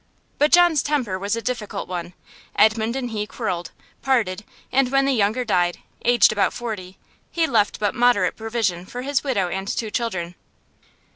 But John's temper was a difficult one; Edmund and he quarrelled, parted; and when the younger died, aged about forty, he left but moderate provision for his widow and two children.